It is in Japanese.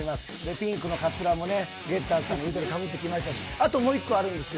ピンクのかつらもね、ゲッターズさんの言うとおり、かぶってきましたし、あともう１個あるんですよ。